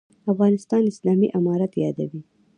«د افغانستان اسلامي امارت» یادوي.